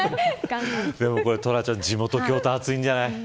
トラちゃん、地元、京都暑いんじゃない。